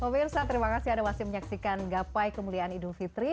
pobir sajian terima kasih ada masih menyaksikan gapai kemuliaan idul fitri